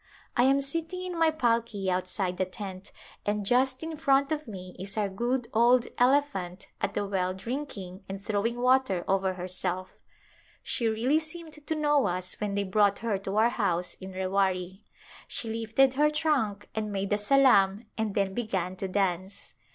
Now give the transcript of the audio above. I am sitting in my palki outside the tent and just in front of me is our good old elephant at the well drinking and throwing water over herself. She really seemed to know us Birth of an Heir when they brought her to our house in Rewari. She lifted her trunk and made a salam and then began to dance.